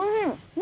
何？